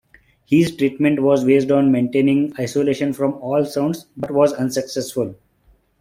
His treatment was based on maintaining isolation from all sounds, but was unsuccessful.